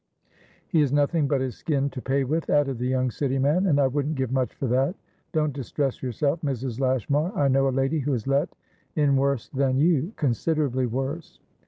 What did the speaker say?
"He has nothing but his skin to pay with," added the young City man, "and I wouldn't give much for that. Don't distress yourself, Mrs. Lashmar; I know a lady who is let in worse than youconsiderably worse."